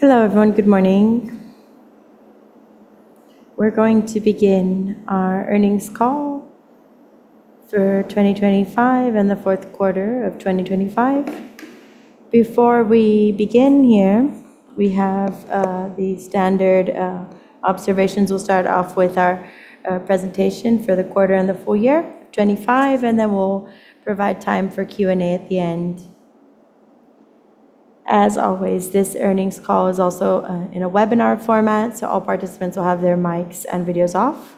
Hello, everyone. Good morning. We're going to begin our earnings call for 2025 and the fourth quarter of 2025. Before we begin here, we have the standard observations. We'll start off with our presentation for the quarter and the full year, 25, and then we'll provide time for Q&A at the end. As always, this earnings call is also in a webinar format, so all participants will have their mics and videos off.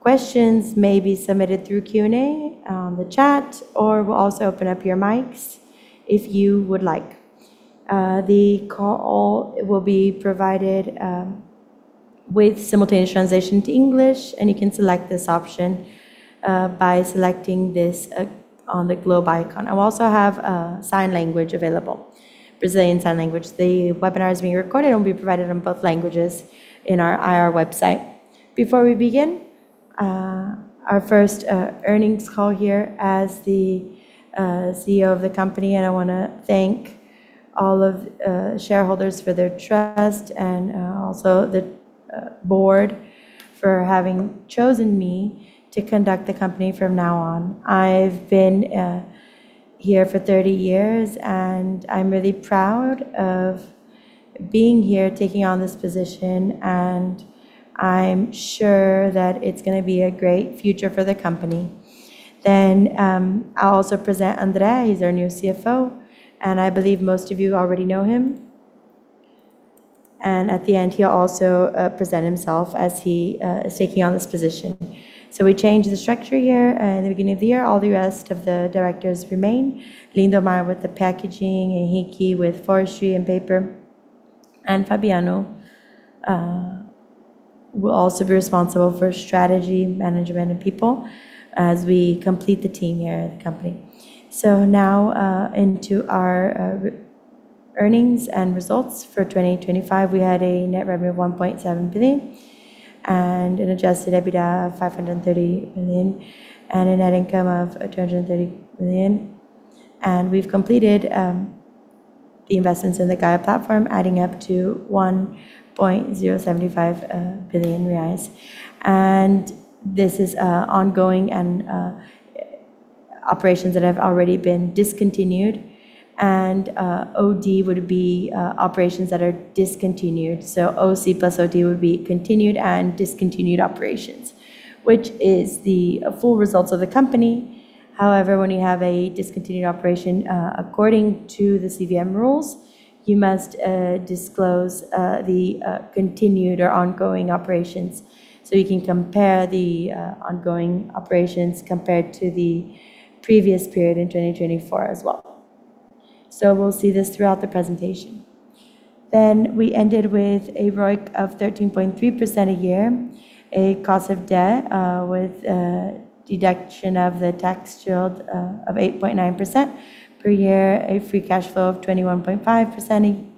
Questions may be submitted through Q&A, the chat, or we'll also open up your mics if you would like. The call will be provided with simultaneous translation to English, and you can select this option by selecting this on the globe icon. I will also have sign language available, Brazilian Sign Language. The webinar is being recorded and will be provided in both languages in our IR website. Before we begin, our first earnings call here as the CEO of the company, I wanna thank all of shareholders for their trust and also the board for having chosen me to conduct the company from now on. I've been here for 30 years, and I'm really proud of being here, taking on this position, and I'm sure that it's gonna be a great future for the company. I'll also present Andre. He's our new CFO, I believe most of you already know him. At the end, he'll also present himself as he is taking on this position. We changed the structure here in the beginning of the year. All the rest of the directors remain. Lindomar with the packaging, Henke with forestry and paper, Fabiano will also be responsible for strategy, management, and people as we complete the team here at the company. Now, into our earnings and results. For 2025, we had a net revenue of 1.7 billion and an adjusted EBITDA of 530 million, and a net income of 230 million. We've completed the investments in the Plataforma Gaia, adding up to 1.075 billion reais. This is ongoing and operations that have already been discontinued. OD would be operations that are discontinued. OC plus OD would be continued and discontinued operations, which is the full results of the company. However, when you have a discontinued operation, according to the CVM rules, you must disclose the continued or ongoing operations, so you can compare the ongoing operations compared to the previous period in 2024 as well. We ended with a ROIC of 13.3% a year, a cost of debt with a deduction of the tax shield of 8.9% per year, a free cash flow of 21.5%,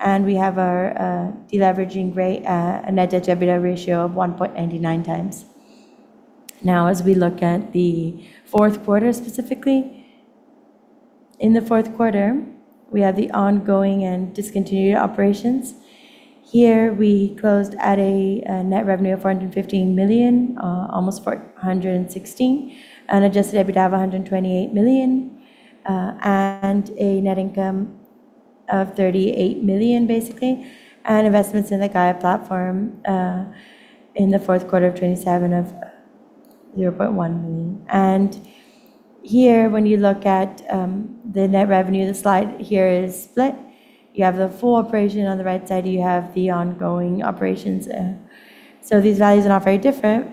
and we have our deleveraging rate, a net debt to EBITDA ratio of 1.99x. Now, as we look at the fourth quarter, specifically, in the fourth quarter, we have the ongoing and discontinued operations. Here, we closed at a net revenue of 415 million, almost 416 million, an adjusted EBITDA of 128 million, and a net income of 38 million, basically, and investments in the Gaia platform in the fourth quarter of 2027 of 0.1 million. Here, when you look at the net revenue, the slide here is split. You have the full operation on the right side, you have the ongoing operations. These values are not very different,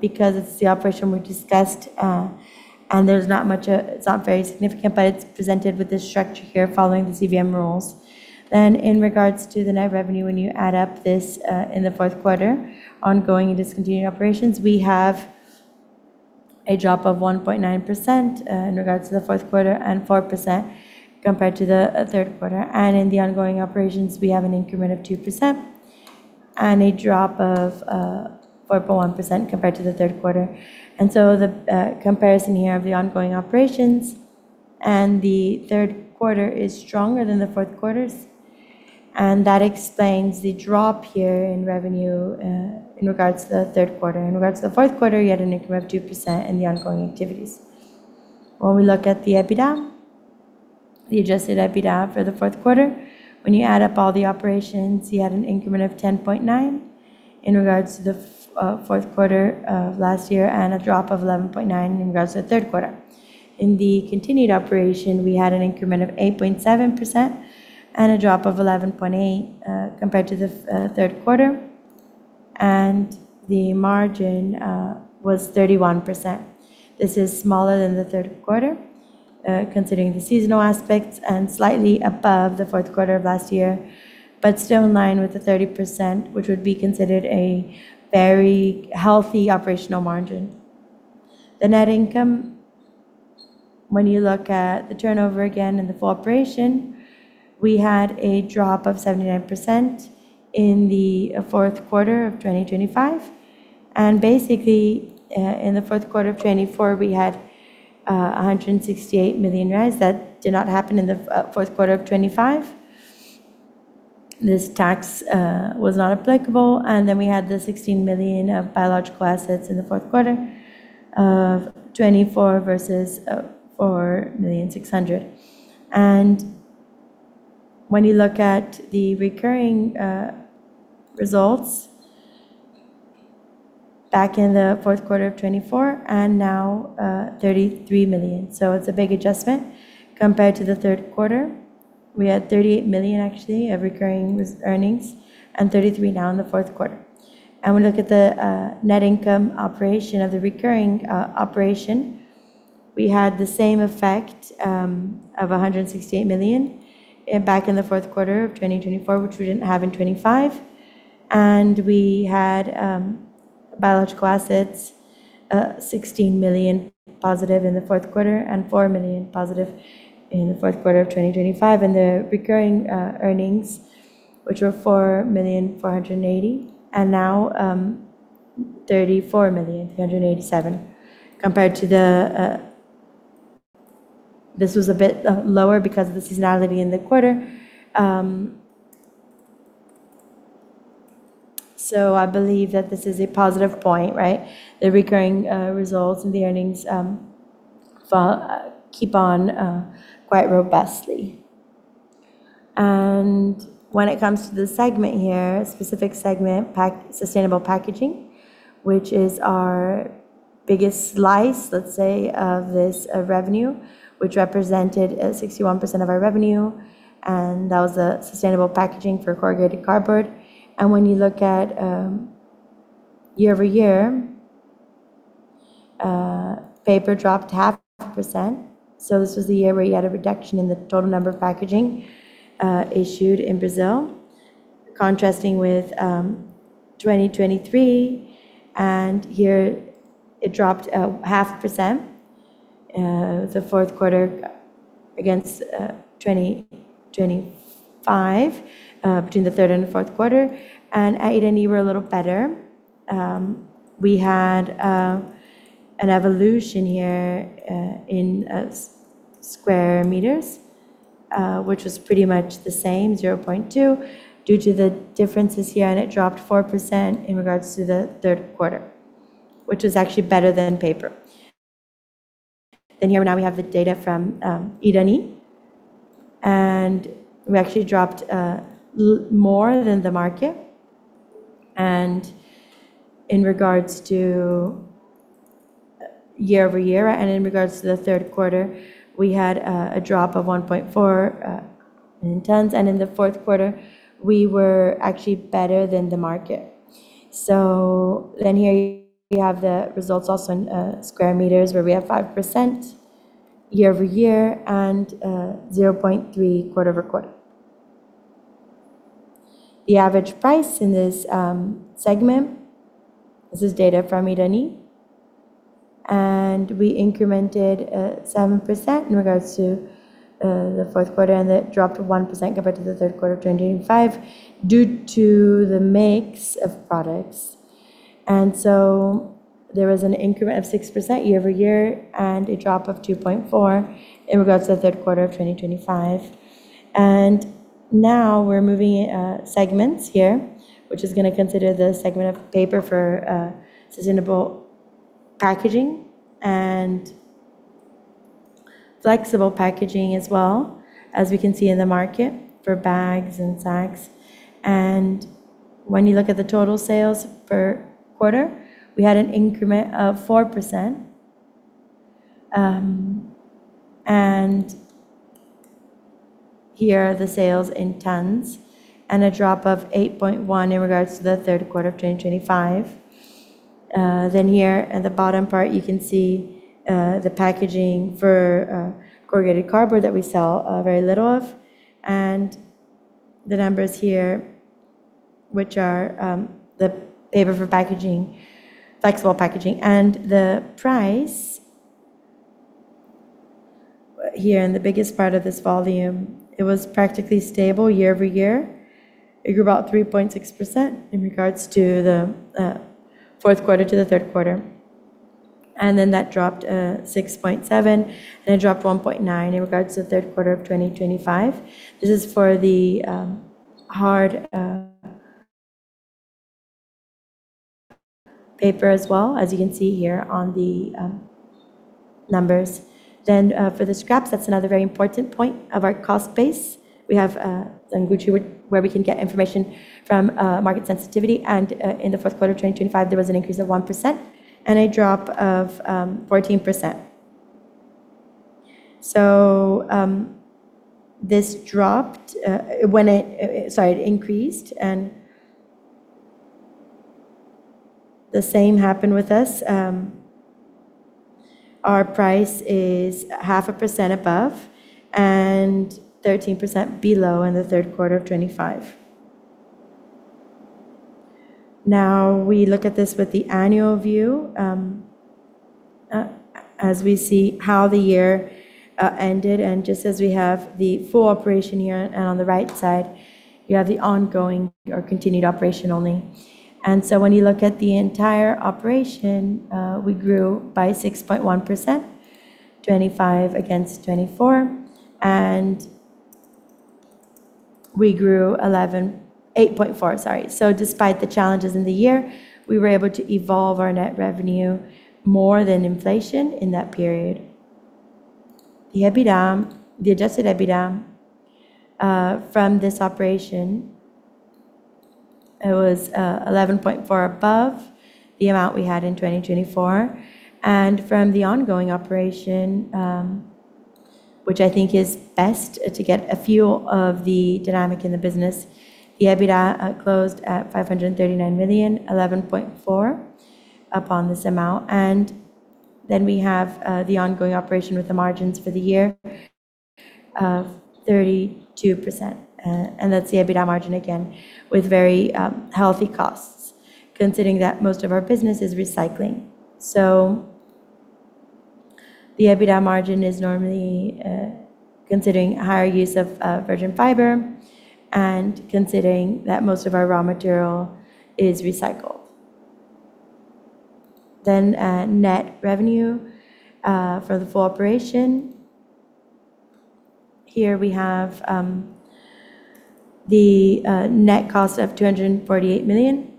because it's the operation we discussed, and there's not much... It's not very significant, but it's presented with this structure here following the CVM rules. In regards to the net revenue, when you add up this in the fourth quarter, ongoing and discontinued operations, we have a drop of 1.9% in regards to the fourth quarter, and 4% compared to the third quarter. In the ongoing operations, we have an increment of 2% and a drop of 4.1% compared to the third quarter. The comparison here of the ongoing operations and the third quarter is stronger than the fourth quarters, and that explains the drop here in revenue in regards to the third quarter. In regards to the fourth quarter, we had an income of 2% in the ongoing activities. When we look at the EBITDA, the adjusted EBITDA for the fourth quarter, when you add up all the operations, you had an increment of 10.9 in regards to the fourth quarter of last year, and a drop of 11.9 in regards to the third quarter. In the continued operation, we had an increment of 8.7% and a drop of 11.8, compared to the third quarter, and the margin, was 31%. This is smaller than the third quarter, considering the seasonal aspects, and slightly above the fourth quarter of last year, but still in line with the 30%, which would be considered a very healthy operational margin. The net income, when you look at the turnover again in the full operation, we had a drop of 79% in the fourth quarter of 2025. Basically, in the fourth quarter of 2024, we had 168 million. That did not happen in the fourth quarter of 2025. This tax was not applicable, then we had the 16 million of biological assets in the fourth quarter of 2024 versus 4 million 600. When you look at the recurring results back in the fourth quarter of 2024 and now, 33 million. It's a big adjustment compared to the third quarter. We had 38 million, actually, of recurring earnings and 33 million now in the fourth quarter. We look at the net income operation of the recurring operation. We had the same effect of 168 million back in the fourth quarter of 2024, which we didn't have in 2025. We had biological assets 16 million positive in the fourth quarter and 4 million positive in the fourth quarter of 2025. The recurring earnings, which were 4,000,480, and now 34,000,387 compared to the. This was a bit lower because of the seasonality in the quarter. I believe that this is a positive point, right? The recurring results and the earnings keep on quite robustly. When it comes to the segment here, specific segment, sustainable packaging, which is our biggest slice, let's say, of this revenue, which represented 61% of our revenue, and that was the sustainable packaging for corrugated cardboard. When you look at, year-over-year, paper dropped 0.5%. This was the year where you had a reduction in the total number of packaging issued in Brazil, contrasting with 2023, and here it dropped 0.5%, the fourth quarter against 2025, between the third and the fourth quarter. Irani were a little better. We had an evolution here in square meters, which was pretty much the same, 0.2, due to the differences here, and it dropped 4% in regards to the third quarter, which was actually better than paper. Here, now we have the data from Irani, and we actually dropped more than the market. In regards to year-over-year, and in regards to the third quarter, we had a drop of 1.4 in tons, and in the fourth quarter, we were actually better than the market. Here, you have the results also in square meters, where we have 5% year-over-year and 0.3 quarter-over-quarter. The average price in this segment, this is data from Irani, we incremented 7% in regards to the fourth quarter, and that dropped 1% compared to the third quarter of 2025, due to the mix of products. There was an increment of 6% year-over-year and a drop of 2.4 in regards to the third quarter of 2025. Now we're moving segments here, which is going to consider the segment of paper for sustainable packaging and flexible packaging as well as we can see in the market for bags and sacks. When you look at the total sales per quarter, we had an increment of 4%. Here are the sales in tons and a drop of 8.1 in regards to the third quarter of 2025. Here, at the bottom part, you can see the packaging for corrugated cardboard that we sell very little of, and the numbers here, which are the paper for packaging, flexible packaging. The price here, in the biggest part of this volume, it was practically stable year-over-year. It grew about 3.6% in regards to the Fourth Quarter to the Third Quarter, that dropped 6.7%, and it dropped 1.9% in regards to the Third Quarter of 2025. This is for the hard paper as well, as you can see here on the numbers. For the scraps, that's another very important point of our cost base. We have where we can get information from market sensitivity, in the fourth quarter of 2025, there was an increase of 1% and a drop of 14%. This dropped, Sorry, it increased, and the same happened with us. Our price is 0.5% above and 13% below in the third quarter of 2025. Now, we look at this with the annual view, as we see how the year ended, and just as we have the full operation here on, on the right side, you have the ongoing or continued operation only. When you look at the entire operation, we grew by 6.1%, 2025 against 2024, and we grew 8.4%, sorry. Despite the challenges in the year, we were able to evolve our net revenue more than inflation in that period. The EBITDA, the adjusted EBITDA, from this operation, it was 11.4 above the amount we had in 2024. From the ongoing operation, which I think is best to get a feel of the dynamic in the business, the EBITDA closed at 539 million, 11.4 up on this amount. We have the ongoing operation with the margins for the year of 32%. That's the EBITDA margin again, with very healthy costs, considering that most of our business is recycling. The EBITDA margin is normally considering higher use of virgin fiber and considering that most of our raw material is recycled. Net revenue for the full operation. Here we have the net cost of 248 million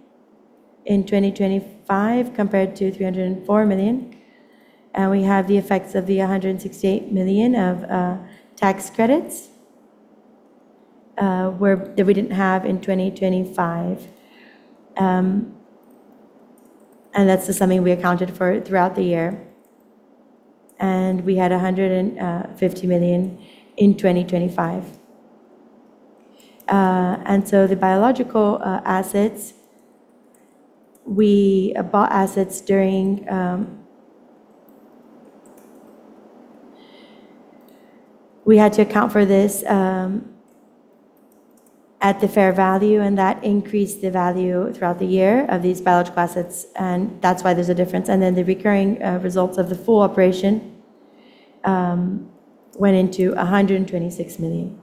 in 2025, compared to 304 million. We have the effects of the 168 million of tax credits that we didn't have in 2025. That's just something we accounted for throughout the year, and we had 150 million in 2025. The biological assets, we bought assets during. We had to account for this at the fair value, and that increased the value throughout the year of these biological assets, and that's why there's a difference. The recurring results of the full operation went into 126 million.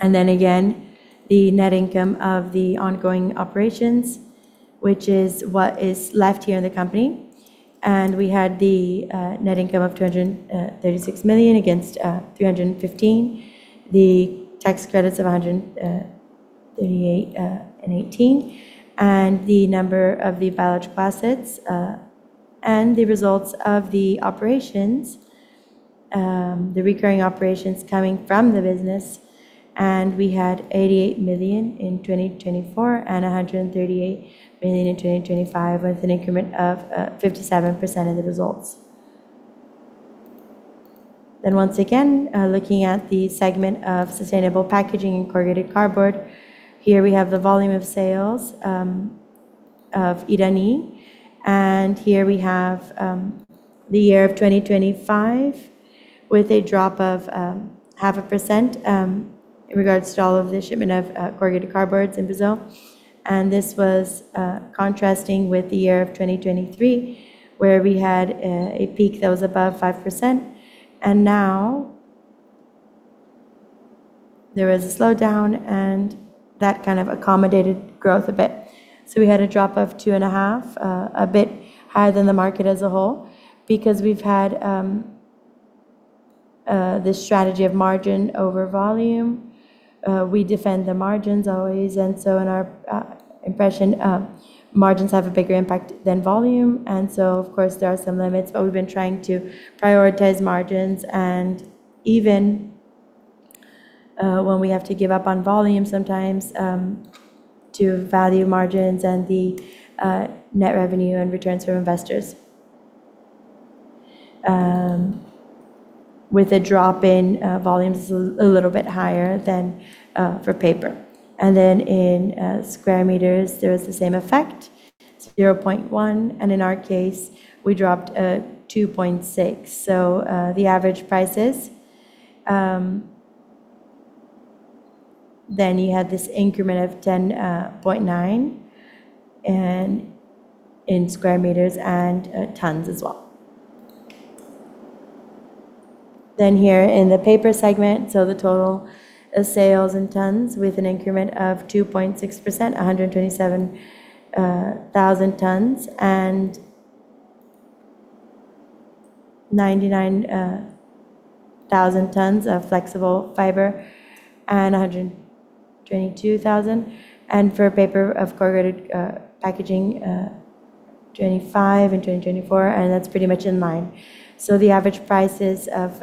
Then again, the net income of the ongoing operations, which is what is left here in the company. We had the net income of 236 million against 315, the tax credits of 138 and 18, and the number of the biological assets, and the results of the operations, the recurring operations coming from the business, and we had 88 million in 2024 and 138 million in 2025, with an increment of 57% of the results. Once again, looking at the segment of sustainable packaging and corrugated cardboard, here we have the volume of sales of Irani. Here we have the year of 2025, with a drop of 0.5% in regards to all of the shipment of corrugated cardboards in Brazil. This was contrasting with the year of 2023, where we had a peak that was above 5%, and now there was a slowdown, and that kind of accommodated growth a bit. We had a drop of 2.5, a bit higher than the market as a whole. We've had this strategy of margin over volume, we defend the margins always. In our impression, margins have a bigger impact than volume, and so of course, there are some limits, but we've been trying to prioritize margins and even when we have to give up on volume sometimes, to value margins and the net revenue and returns from investors. With a drop in volumes a little bit higher than for paper. In square meters, there was the same effect, 0.1, and in our case, we dropped 2.6. The average prices, then you had this increment of 10.9 and in square meters and tons as well. Here in the paper segment, the total of sales in tons with an increment of 2.6%, 127,000 tons, 99,000 tons of flexible fiber, and 122,000. For paper of corrugated packaging, 2025 and 2024, and that's pretty much in line. The average prices of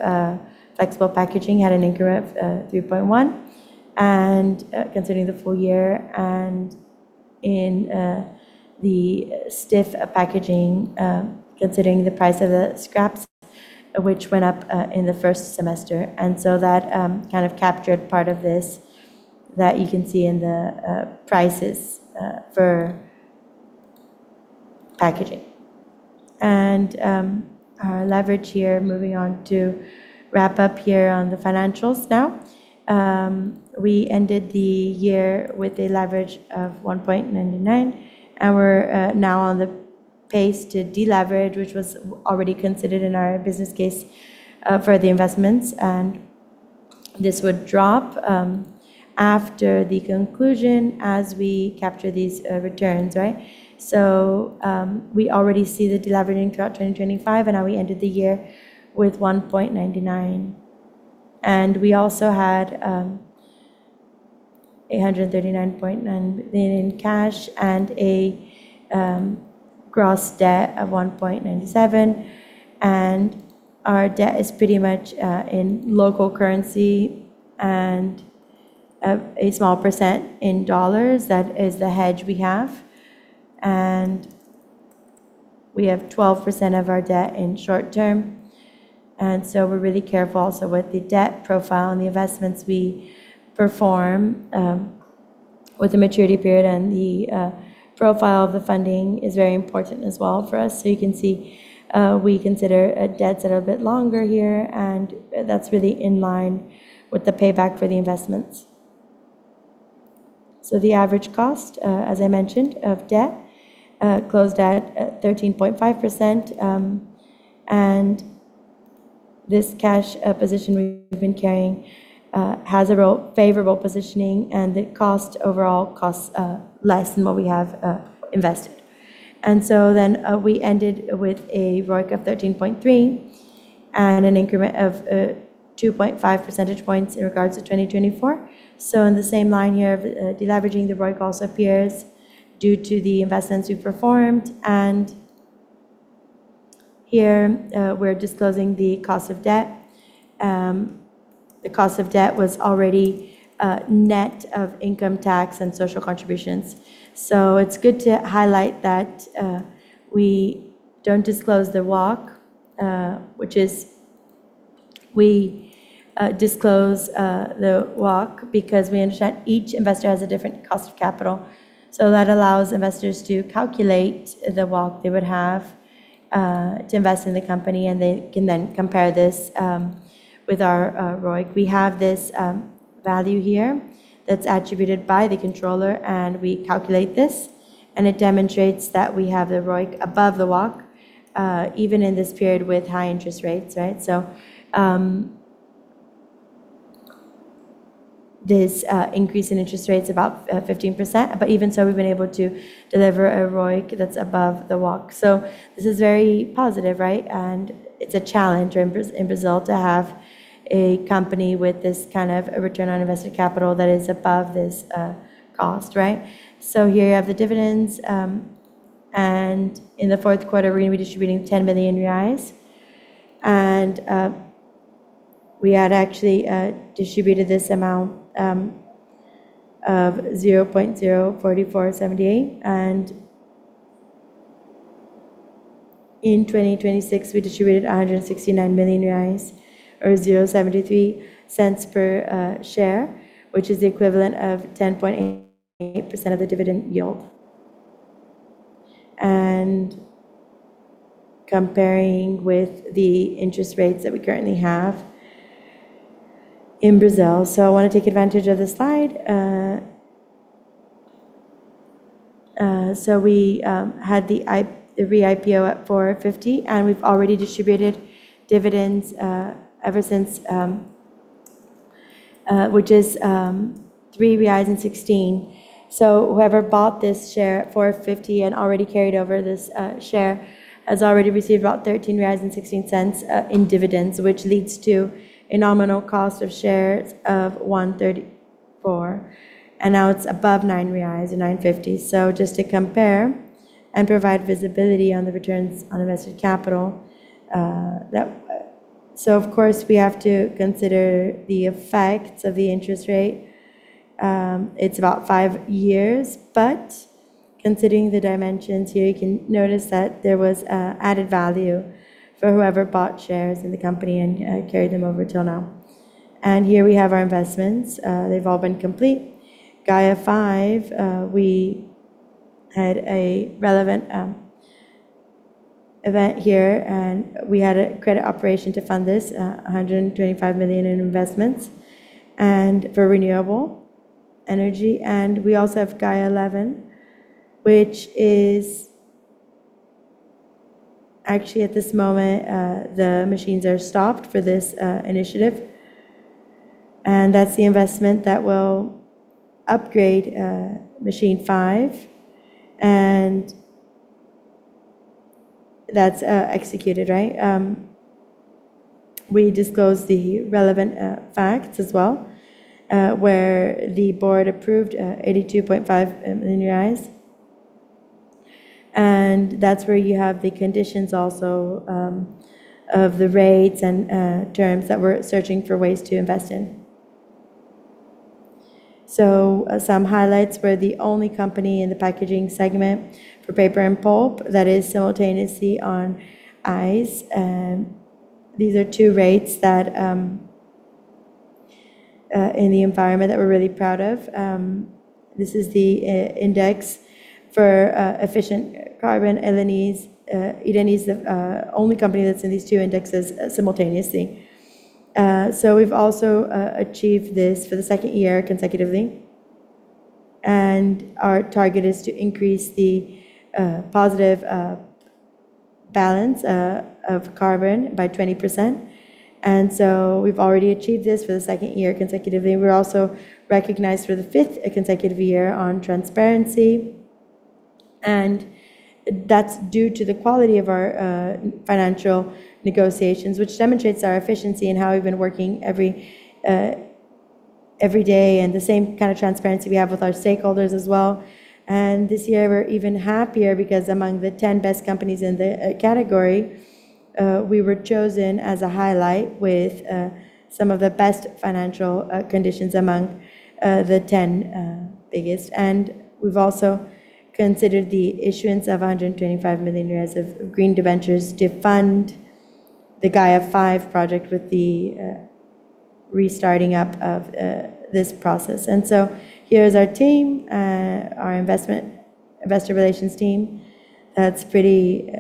flexible packaging had an increment of 3.1, considering the full year and in the stiff packaging, considering the price of the scraps, which went up in the first semester. That kind of captured part of this that you can see in the prices for packaging. Our leverage here, moving on to wrap up here on the financials now. We ended the year with a leverage of 1.99, and we're now on the pace to deleverage, which was already considered in our business case for the investments. This would drop after the conclusion as we capture these returns, right? We already see the deleveraging throughout 2025, and now we ended the year with 1.99. We also had 139.9 billion in cash and a gross debt of 1.97. Our debt is pretty much in local currency and a small percent in dollars. That is the hedge we have. We have 12% of our debt in short term, and so we're really careful. With the debt profile and the investments we perform, with the maturity period and the profile of the funding is very important as well for us. You can see, we consider debts that are a bit longer here, and that's really in line with the payback for the investments. The average cost, as I mentioned, of debt, closed at, at 13.5%. This cash position we've been carrying has a real favorable positioning, and the cost overall costs, less than what we have invested. We ended with a ROIC of 13.3 and an increment of 2.5 percentage points in regards to 2024. In the same line here of deleveraging, the ROIC also appears due to the investments we've performed. Here, we're disclosing the cost of debt. The cost of debt was already net of income tax and social contributions. It's good to highlight that we don't disclose the WACC, which is... We disclose the WACC because we understand each investor has a different cost of capital. That allows investors to calculate the WACC they would have to invest in the company, and they can then compare this with our ROIC. We have this value here that's attributed by the controller, and we calculate this, and it demonstrates that we have the ROIC above the WACC, even in this period with high interest rates, right? This increase in interest rate's about 15%, but even so, we've been able to deliver a ROIC that's above the WACC. This is very positive, right? It's a challenge in Brazil to have a company with this kind of a return on invested capital that is above this cost, right? Here you have the dividends, and in the fourth quarter, we're going to be distributing 10 million reais. We had actually distributed this amount of 0.04478, and in 2026, we distributed 169 million reais or 0.73 per share, which is the equivalent of 10.8% of the dividend yield. Comparing with the interest rates that we currently have in Brazil. I want to take advantage of this slide. We had the re-IPO at 450, and we've already distributed dividends ever since, which is 3.16 reais. Whoever bought this share at 450 and already carried over this share, has already received about 13.16 reais in dividends, which leads to a nominal cost of shares of 134, and now it's above 9.50 reais. Just to compare and provide visibility on the returns on invested capital. Of course, we have to consider the effects of the interest rate. It's about 5 years, but considering the dimensions here, you can notice that there was added value for whoever bought shares in the company and carried them over till now. Here we have our investments. They've all been complete. Gaia V, we had a relevant event here. We had a credit operation to fund this 125 million in investments and for renewable energy. We also have Gaia XI, which is... Actually, at this moment, the machines are stopped for this initiative, and that's the investment that will upgrade Máquina de Papel 5, and that's executed, right? We disclosed the relevant facts as well, where the board approved 82.5 in reais. That's where you have the conditions also, of the rates and terms that we're searching for ways to invest in. Some highlights. We're the only company in the packaging segment for paper and pulp that is simultaneously on ISE. These are two rates that, in the environment that we're really proud of. This is the index for efficient carbon. Irani is Irani is the only company that's in these two indexes simultaneously. We've also achieved this for the 2nd year consecutively. Our target is to increase the positive balance of carbon by 20%. We've already achieved this for the 2nd year consecutively. We're also recognized for the 5th consecutive year on transparency, and that's due to the quality of our financial negotiations, which demonstrates our efficiency and how we've been working every day, and the same kind of transparency we have with our stakeholders as well. This year, we're even happier because among the 10 best companies in the category, we were chosen as a highlight with some of the best financial conditions among the 10 biggest. We've also considered the issuance of BRL 125 million of green debentures to fund the Gaia V project with the restarting up of this process. Here is our team, our investor relations team. That's pretty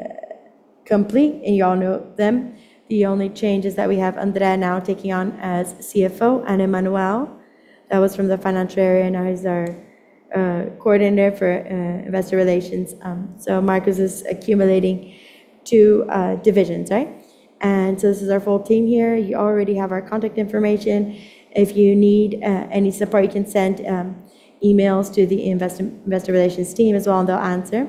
complete, and you all know them. The only change is that we have André now taking on as CFO and Emmanuel, that was from the financial area, now he's our coordinator for investor relations. Marcos is accumulating two divisions, right? This is our full team here. You already have our contact information. If you need any support, you can send emails to the investor relations team as well, and they'll answer.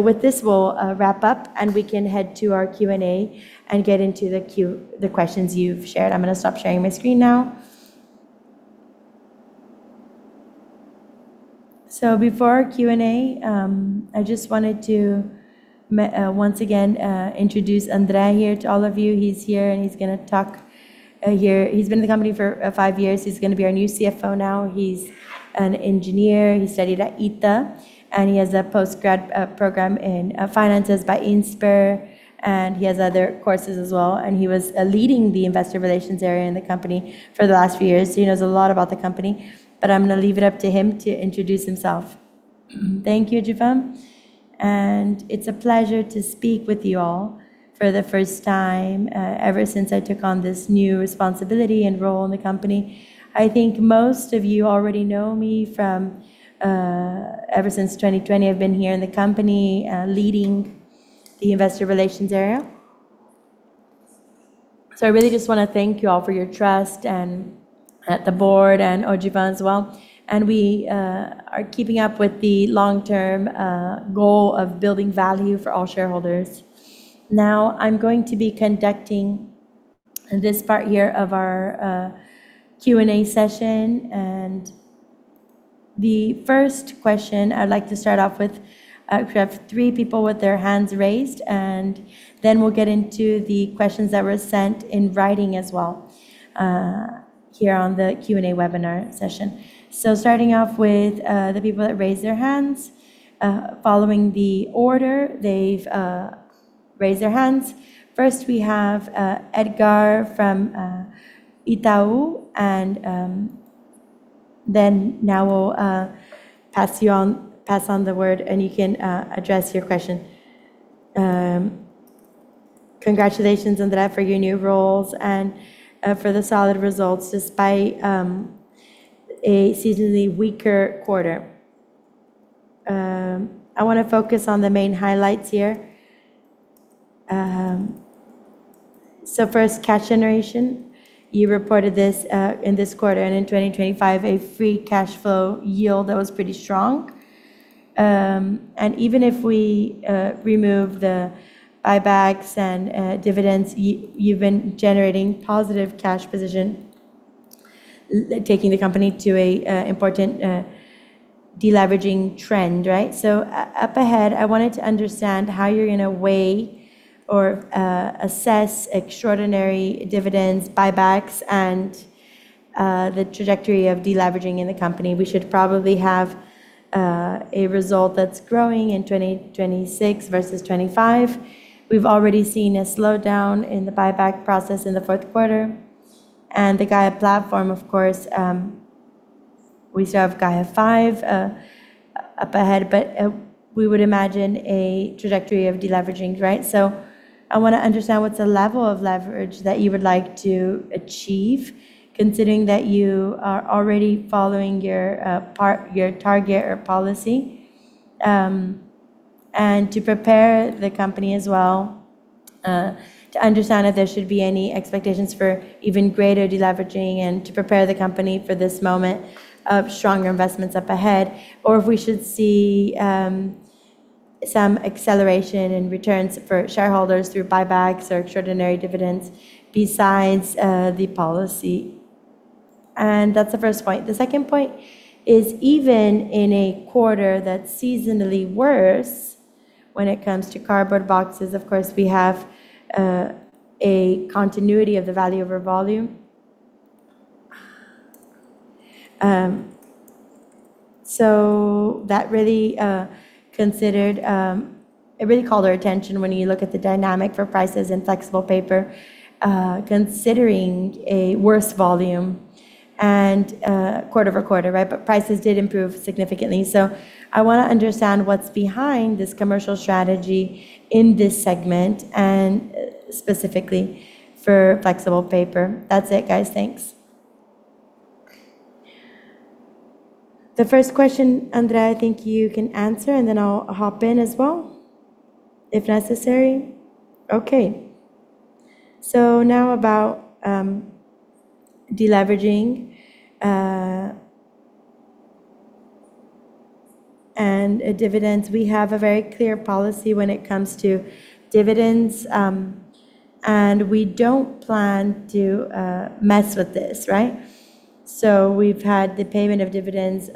With this, we'll wrap up, and we can head to our Q&A and get into the questions you've shared. I'm going to stop sharing my screen now. Before our Q&A, I just wanted to once again, introduce André here to all of you. He's here, and he's going to talk here. He's been in the company for five years. He's going to be our new CFO now. He's an engineer. He studied at ITA, and he has a postgrad program in finances by Insper. He has other courses as well, and he was leading the investor relations area in the company for the last few years. He knows a lot about the company, but I'm going to leave it up to him to introduce himself. Thank you, Giovanna. It's a pleasure to speak with you all for the first time, ever since I took on this new responsibility and role in the company. I think most of you already know me from. Ever since 2020, I've been here in the company, leading the investor relations area. I really just want to thank you all for your trust, and the board and Odivan Cargnin as well. We are keeping up with the long-term goal of building value for all shareholders. Now, I'm going to be conducting this part here of our Q&A session. The first question I'd like to start off with, we have three people with their hands raised, and then we'll get into the questions that were sent in writing as well, here on the Q&A webinar session. Starting off with the people that raised their hands, following the order they've raised their hands. First, we have Edgar from Itaú, now we'll pass on the word, and you can address your question. Congratulations, André, for your new roles and for the solid results, despite a seasonally weaker quarter. I want to focus on the main highlights here. First, cash generation. You reported this in this quarter, and in 2025, a free cash flow yield that was pretty strong. Even if we remove the buybacks and dividends, you've been generating positive cash position, taking the company to a important deleveraging trend, right? Up ahead, I wanted to understand how you're going to weigh or assess extraordinary dividends, buybacks, and the trajectory of deleveraging in the company. We should probably have a result that's growing in 2026 versus 25. We've already seen a slowdown in the buyback process in the Q4. The Gaia platform, of course, we still have Gaia V up ahead, but we would imagine a trajectory of deleveraging, right? I want to understand what's the level of leverage that you would like to achieve, considering that you are already following your target or policy, and to prepare the company as well, to understand if there should be any expectations for even greater deleveraging and to prepare the company for this moment of stronger investments up ahead, or if we should see some acceleration in returns for shareholders through buybacks or extraordinary dividends besides the policy. That's the first point. The second point is, even in a quarter that's seasonally worse when it comes to cardboard boxes, of course, we have a continuity of the value over volume. So that really called our attention when you look at the dynamic for prices in flexible paper, considering a worse volume and quarter-over-quarter, right? Prices did improve significantly. I want to understand what's behind this commercial strategy in this segment specifically for flexible paper. That's it, guys. Thanks. The first question, Andrea, I think you can answer, and then I'll hop in as well, if necessary. Okay. Now about deleveraging and dividends. We have a very clear policy when it comes to dividends, and we don't plan to mess with this, right? We've had the payment of dividends,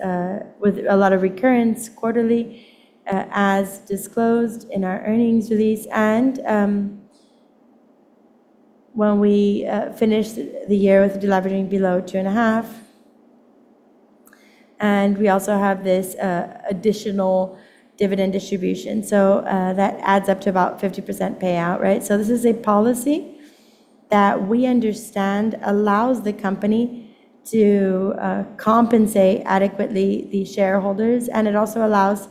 with a lot of recurrence quarterly, as disclosed in our earnings release, and when we finish the year with deleveraging below 2.5, and we also have this additional dividend distribution. That adds up to about 50% payout, right? This is a policy that we understand allows the company to compensate adequately the shareholders, and it also allows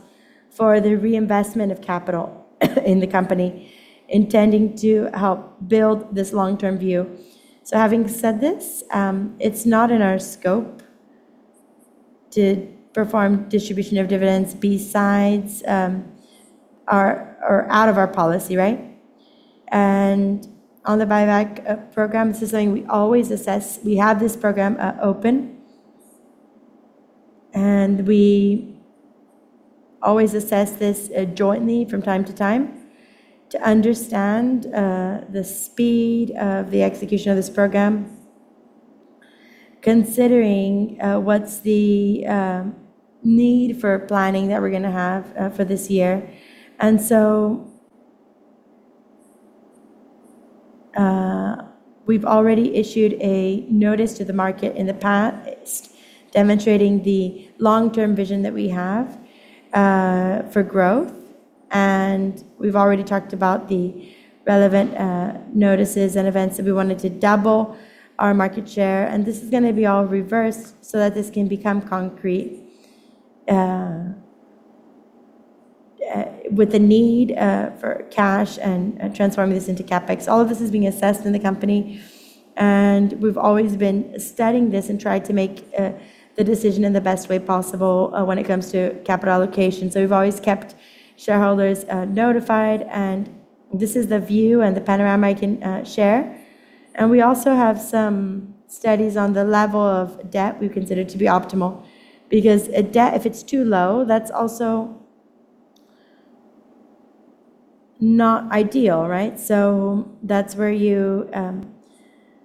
for the reinvestment of capital in the company, intending to help build this long-term view. Having said this, it's not in our scope to perform distribution of dividends besides or out of our policy, right? On the buyback program, this is something we always assess. We have this program open, and we always assess this jointly from time to time to understand the speed of the execution of this program, considering what's the need for planning that we're gonna have for this year. We've already issued a notice to the market in the past, demonstrating the long-term vision that we have for growth, and we've already talked about the relevant notices and events, that we wanted to double our market share, and this is gonna be all reversed, so that this can become concrete with the need for cash and transforming this into CapEx. All of this is being assessed in the company, and we've always been studying this and trying to make the decision in the best way possible when it comes to capital allocation. We've always kept shareholders notified, and this is the view and the panorama I can share. We also have some studies on the level of debt we consider to be optimal, because a debt, if it's too low, that's also not ideal, right? That's where you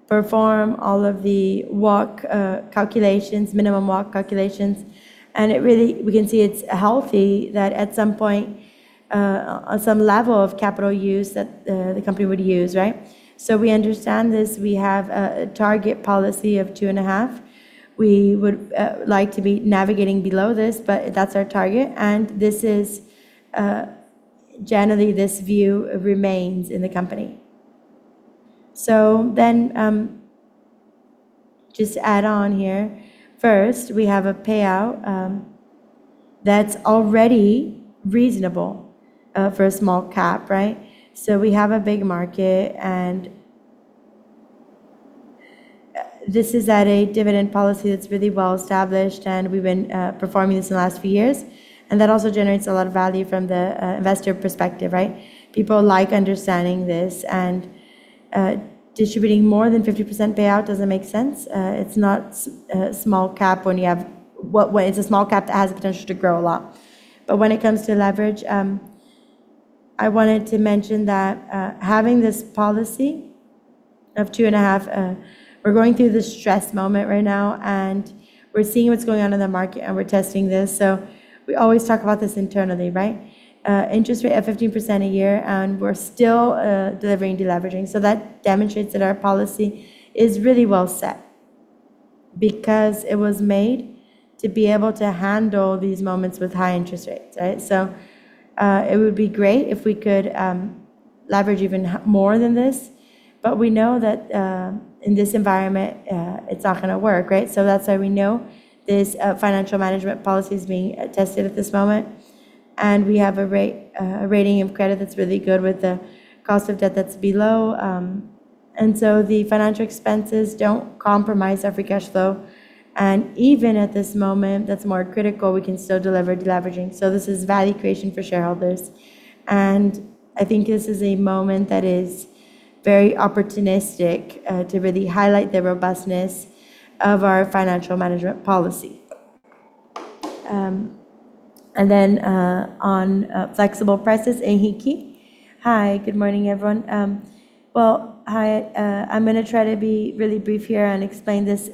perform all of the WACC calculations, minimum WACC calculations, we can see it's healthy, that at some point, on some level of capital use, that the company would use, right? We understand this. We have a, a target policy of 2.5. We would like to be navigating below this, but that's our target, and generally, this view remains in the company. Just to add on here, first, we have a payout that's already reasonable for a small cap, right? We have a big market, and this is at a dividend policy that's really well-established, and we've been performing this in the last few years, and that also generates a lot of value from the investor perspective, right? People like understanding this, distributing more than 50% payout doesn't make sense. It's not a small cap. It's a small cap that has the potential to grow a lot. When it comes to leverage, I wanted to mention that having this policy of 2.5, we're going through this stress moment right now, and we're seeing what's going on in the market, and we're testing this, we always talk about this internally, right? Interest rate at 15% a year, we're still delivering deleveraging. That demonstrates that our policy is really well set because it was made to be able to handle these moments with high interest rates, right? It would be great if we could leverage even more than this, but we know that in this environment, it's not gonna work, right? That's why we know this financial management policy is being tested at this moment, and we have a rating of credit that's really good, with the cost of debt that's below. The financial expenses don't compromise our free cash flow, and even at this moment, that's more critical, we can still deliver deleveraging. This is value creation for shareholders, and I think this is a moment that is very opportunistic to really highlight the robustness of our financial management policy. Then on flexible prices, Ehiki. Hi, good morning, everyone. Well, hi, I'm gonna try to be really brief here and explain this.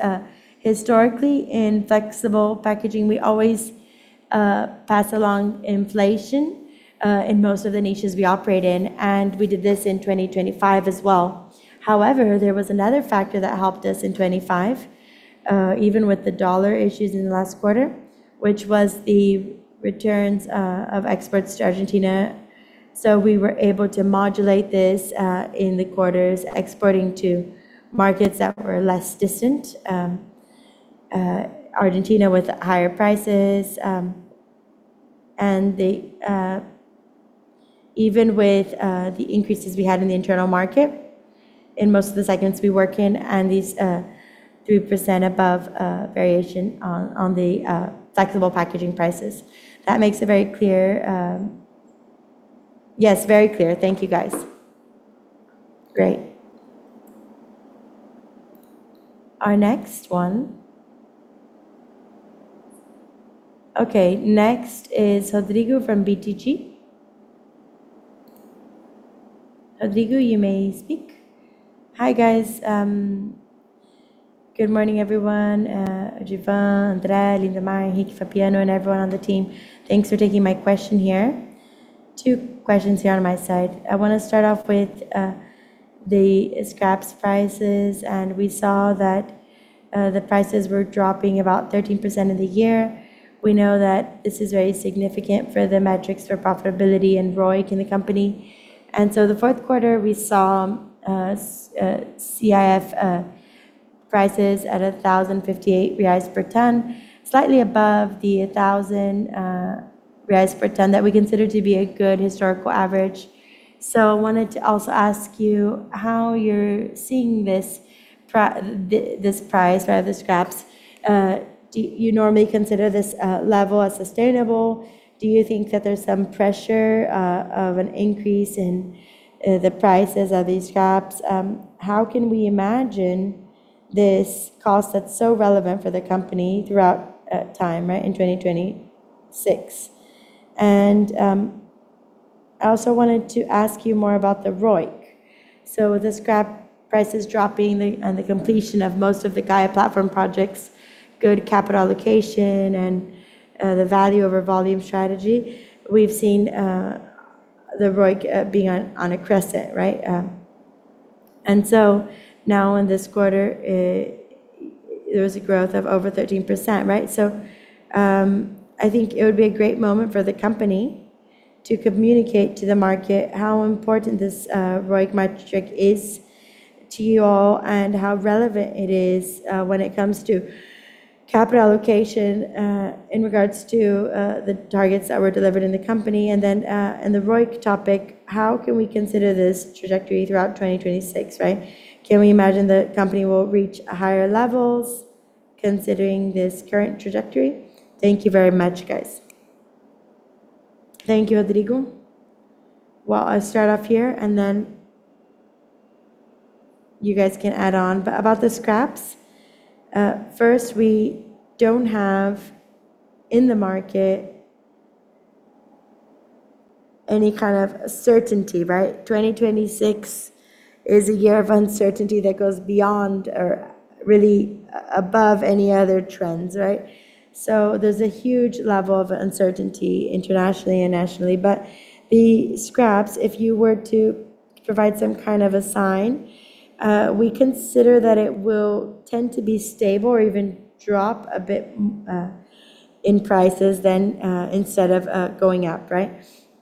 Historically, in flexible packaging, we always pass along inflation in most of the niches we operate in, and we did this in 2025 as well. However, there was another factor that helped us in 25, even with the dollar issues in the last quarter, which was the returns of exports to Argentina. We were able to modulate this in the quarters, exporting to markets that were less distant. Argentina, with higher prices... The even with the increases we had in the internal market, in most of the segments we work in, and these 3% above variation on on the flexible packaging prices, that makes it very clear. yes, very clear. Thank you, guys. Great. Our next one. Okay, next is Rodrigo from BTG. Rodrigo, you may speak. Hi, guys. Good morning, everyone, Odivan, Andrea, Lindomar, Ricardo Fappi, and everyone on the team. Thanks for taking my question here. Two questions here on my side. I wanna start off with the scraps prices, and we saw that the prices were dropping about 13% of the year. We know that this is very significant for the metrics for profitability and ROIC in the company. The fourth quarter, we saw CIF prices at 1,058 reais per ton, slightly above the 1,000 reais per ton that we consider to be a good historical average. I wanted to also ask you how you're seeing this price rather scraps. Do you normally consider this level as sustainable? Do you think that there's some pressure of an increase in the prices of these scraps? How can we imagine this cost that's so relevant for the company throughout time, right, in 2026? I also wanted to ask you more about the ROIC. The scrap prices dropping, the, and the completion of most of the Plataforma Gaia projects, good capital allocation, and the value over volume strategy, we've seen the ROIC being on, on a crescent, right? Now in this quarter, there was a growth of over 13%, right? I think it would be a great moment for the company to communicate to the market how important this ROIC metric is to you all, and how relevant it is when it comes to capital allocation in regards to the targets that were delivered in the company. In the ROIC topic, how can we consider this trajectory throughout 2026, right? Can we imagine the company will reach higher levels considering this current trajectory? Thank you very much, guys. Thank you, Rodrigo. I'll start off here, and then you guys can add on. About the scraps, first, we don't have in the market any kind of certainty, right? 2026 is a year of uncertainty that goes beyond or really above any other trends, right? There's a huge level of uncertainty internationally and nationally. The scraps, if you were to provide some kind of a sign, we consider that it will tend to be stable or even drop a bit in prices then, instead of going up, right?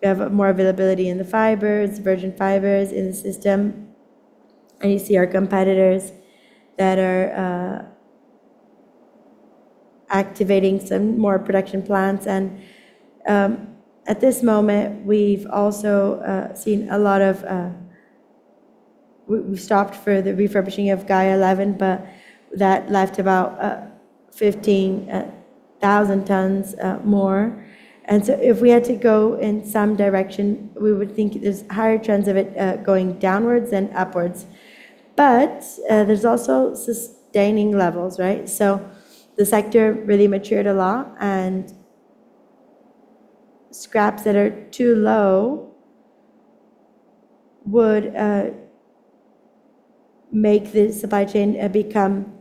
We have more availability in the fibers, virgin fibers in the system, and you see our competitors that are activating some more production plants. At this moment, we've also seen a lot of... We, we stopped for the refurbishing of Gaia XI, but that left about 15,000 tons more. If we had to go in some direction, we would think there's higher trends of it going downwards than upwards. There's also sustaining levels, right? The sector really matured a lot, and scraps that are too low would make the supply chain become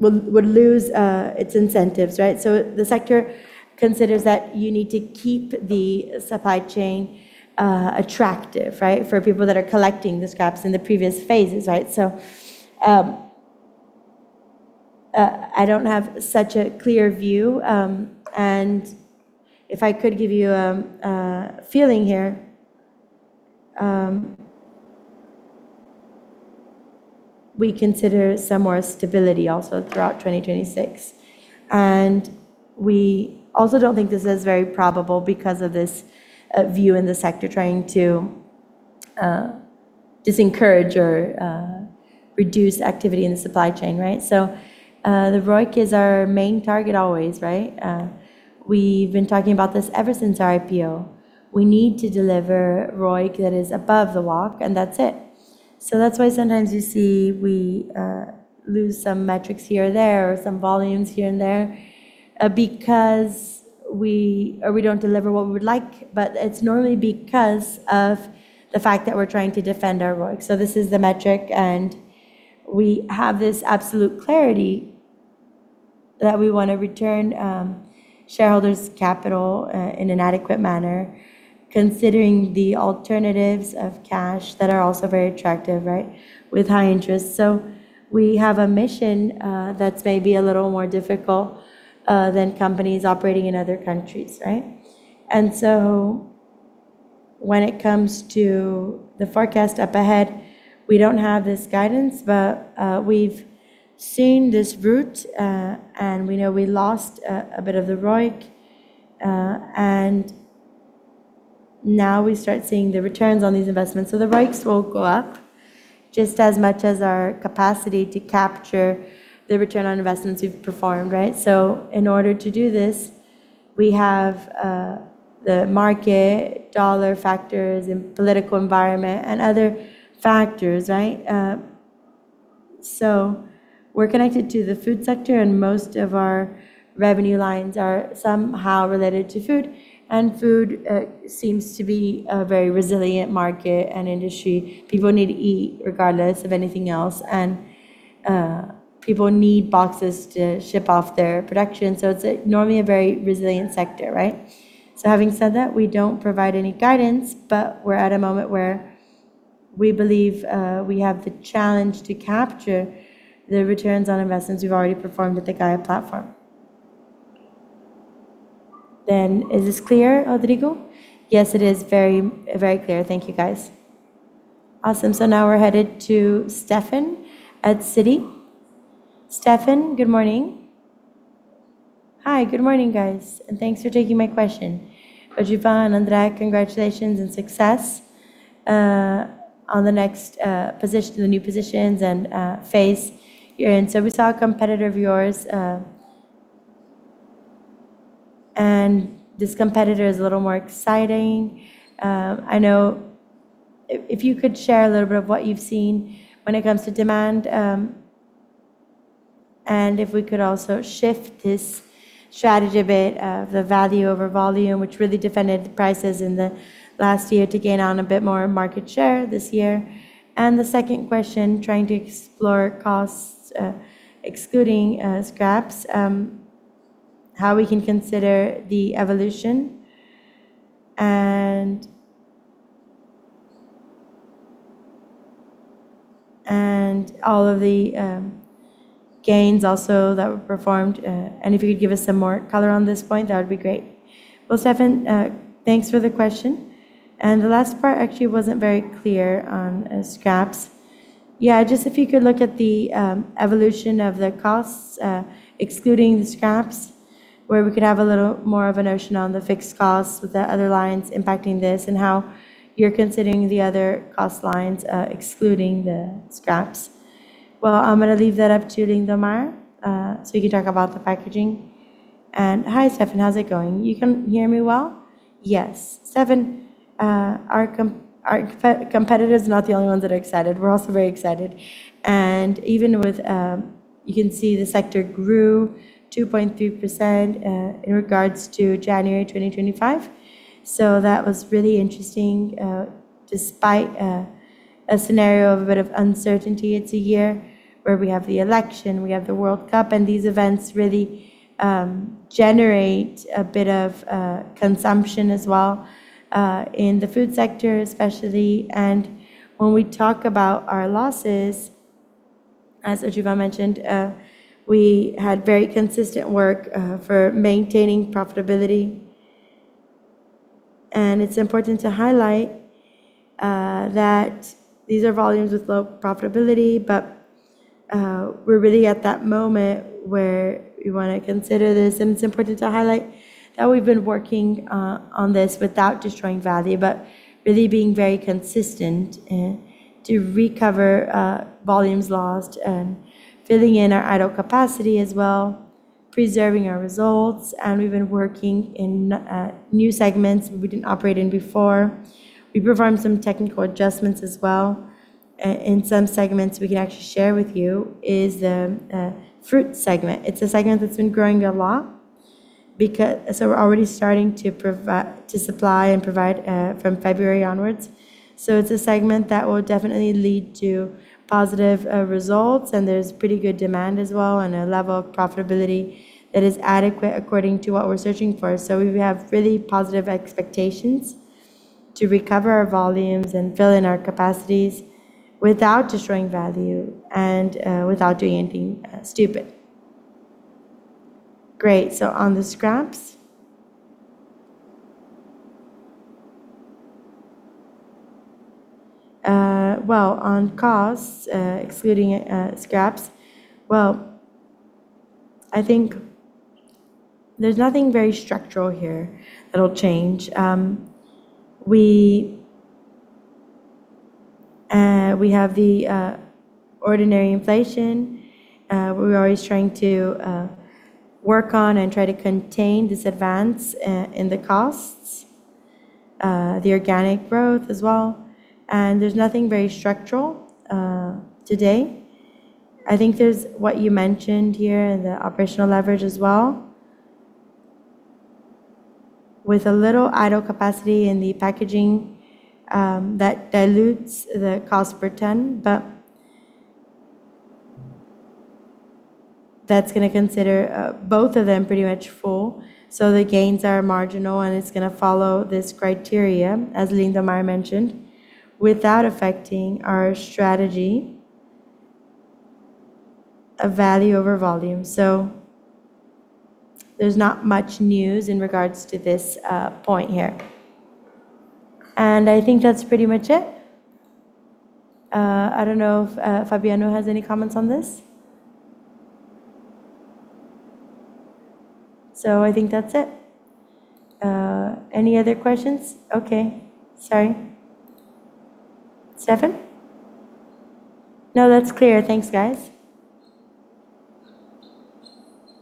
would, would lose its incentives, right? The sector considers that you need to keep the supply chain attractive, right? For people that are collecting the scraps in the previous phases, right? I don't have such a clear view, and if I could give you a feeling here, we consider some more stability also throughout 2026. We also don't think this is very probable because of this view in the sector trying to discourage or reduce activity in the supply chain, right? The ROIC is our main target always, right? We've been talking about this ever since our IPO. We need to deliver ROIC that is above the WACC, and that's it. That's why sometimes you see we lose some metrics here or there, or some volumes here and there, because we or we don't deliver what we would like, but it's normally because of the fact that we're trying to defend our ROIC. This is the metric, and we have this absolute clarity that we want to return shareholders' capital in an adequate manner, considering the alternatives of cash that are also very attractive, right? With high interest. We have a mission that's maybe a little more difficult than companies operating in other countries, right? When it comes to the forecast up ahead, we don't have this guidance, but we've seen this route, and we know we lost a bit of the ROIC. Now we start seeing the returns on these investments. The ROICs will go up just as much as our capacity to capture the return on investments we've performed, right? In order to do this, we have the market, dollar factors, and political environment, and other factors, right? We're connected to the food sector, and most of our revenue lines are somehow related to food. Food seems to be a very resilient market and industry. People need to eat regardless of anything else, people need boxes to ship off their production. It's a normally a very resilient sector, right? Having said that, we don't provide any guidance, but we're at a moment where we believe we have the challenge to capture the returns on investments we've already performed with the Gaia Platform. Is this clear, Rodrigo? Yes, it is very clear. Thank you, guys. Awesome. Now we're headed to Stefan at Citi. Stefan, good morning. Hi, good morning, guys, thanks for taking my question. Odivan and Andrea, congratulations on success on the next position, the new positions and phase you're in. We saw a competitor of yours, this competitor is a little more exciting. If you could share a little bit of what you've seen when it comes to demand, and if we could also shift this strategy a bit, the value over volume, which really defended the prices in the last year to gain on a bit more market share this year. The second question, trying to explore costs, excluding scraps, how we can consider the evolution and, and all of the gains also that were performed, and if you could give us some more color on this point, that would be great. Well, Stefan, thanks for the question, and the last part actually wasn't very clear on scraps. Yeah, just if you could look at the evolution of the costs, excluding the scraps, where we could have a little more of a notion on the fixed costs with the other lines impacting this, and how you're considering the other cost lines, excluding the scraps. Well, I'm gonna leave that up to Lindomar, so he can talk about the packaging. Hi, Stefan, how's it going? You can hear me well? Yes. Stefan, our competitor is not the only ones that are excited. We're also very excited. Even with... You can see the sector grew 2.3% in regards to January 2025. That was really interesting, despite a scenario of a bit of uncertainty. It's a year where we have the election, we have the World Cup, these events really generate a bit of consumption as well in the food sector, especially. When we talk about our losses, as Odivan mentioned, we had very consistent work for maintaining profitability. It's important to highlight that these are volumes with low profitability, but we're really at that moment where we wanna consider this. It's important to highlight that we've been working on this without destroying value, but really being very consistent to recover volumes lost and filling in our idle capacity as well, preserving our results. We've been working in new segments we didn't operate in before. We performed some technical adjustments as well. In some segments, we can actually share with you is the fruit segment. It's a segment that's been growing a lot because-- We're already starting to supply and provide from February onwards. It's a segment that will definitely lead to positive results, and there's pretty good demand as well, and a level of profitability that is adequate according to what we're searching for. We have really positive expectations to recover our volumes and fill in our capacities without destroying value and without doing anything stupid. Great. On the scraps? Well, on costs, excluding scraps, well, I think there's nothing very structural here that'll change. We have the ordinary inflation, we're always trying to work on and try to contain this advance in the costs, the organic growth as well, and there's nothing very structural today. I think there's what you mentioned here, the operational leverage as well, with a little idle capacity in the packaging, that dilutes the cost per ton, but that's gonna consider both of them pretty much full. The gains are marginal, and it's gonna follow this criteria, as Lindomar mentioned, without affecting our strategy of value over volume. There's not much news in regards to this point here. I think that's pretty much it. I don't know if Fabiano has any comments on this? I think that's it. Any other questions? Okay, sorry. Stefan? No, that'sclear. Thanks, guys.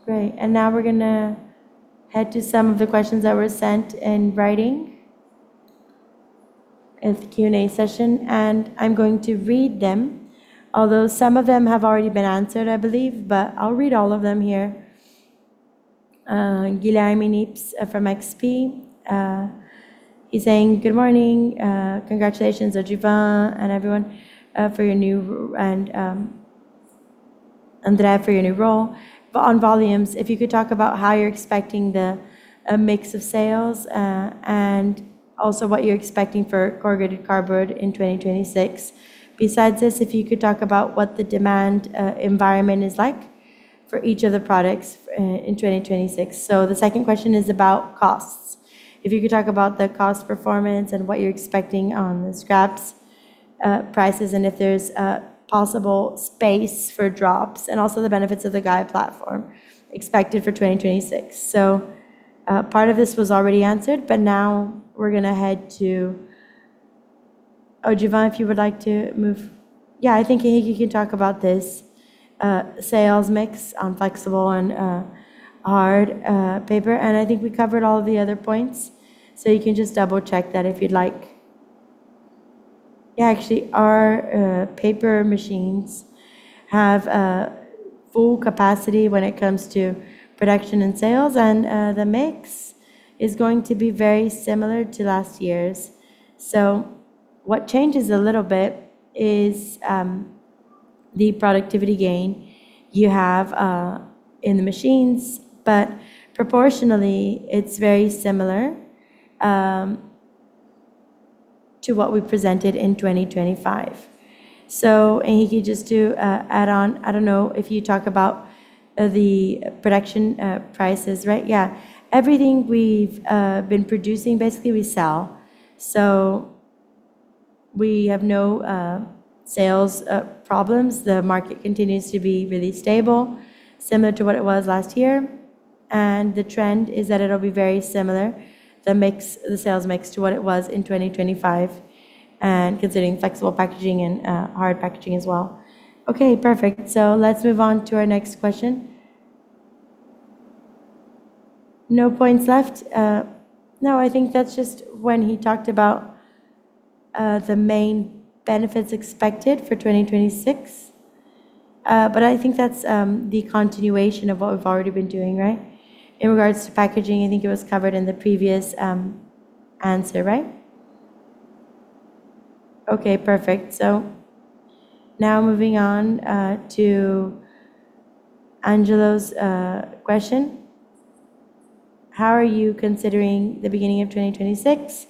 Great, and now we're gonna head to some of the questions that were sent in writing in the Q&A session, and I'm going to read them. Although some of them have already been answered, I believe, but I'll read all of them here. Guilherme Knorre from XP, he's saying, "Good morning. Congratulations, Odivan, and everyone, for your new r- and Andrea, for your new role. On volumes, if you could talk about how you're expecting the mix of sales, and also what you're expecting for corrugated cardboard in 2026. Besides this, if you could talk about what the demand environment is like for each of the products in 2026." The second question is about costs. If you could talk about the cost performance and what you're expecting on the scraps prices, and if there's possible space for drops, and also the benefits of the Plataforma Gaia expected for 2026. Part of this was already answered, but now we're gonna head to... Odivan, if you would like to move-- Yeah, I think Henrique can talk about this sales mix on flexible and hard paper, and I think we covered all the other points, so you can just double-check that if you'd like. Yeah, actually, our paper machines have full capacity when it comes to production and sales, and the mix is going to be very similar to last year's. What changes a little bit is the productivity gain you have in the machines, but proportionally, it's very similar to what we presented in 2025. Henrique, just to add on, I don't know if you talk about the production prices, right? Yeah. Everything we've been producing, basically we sell, so we have no sales problems. The market continues to be really stable, similar to what it was last year, and the trend is that it'll be very similar, the mix, the sales mix, to what it was in 2025, and considering flexible packaging and hard packaging as well. Okay, perfect. Let's move on to our next question. No points left? No, I think that's just when he talked about the main benefits expected for 2026. I think that's the continuation of what we've already been doing, right? In regards to packaging, I think it was covered in the previous answer, right? Okay, perfect. Now moving on to Angelo's question: "How are you considering the beginning of 2026